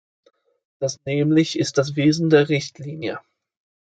Das nämlich ist das Wesen der Richtlinie.